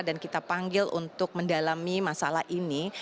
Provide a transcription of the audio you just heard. dan kita panggil untuk mendalami masalah ini